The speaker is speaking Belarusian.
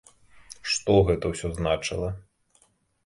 Што гэта ўсё значыла?